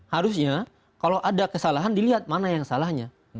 harusnya kalau ada kesalahan dilihat mana yang salahnya